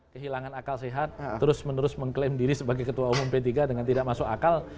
kehilangan akal sehat terus menerus mengklaim diri sebagai ketua umum p tiga dengan tidak masuk akal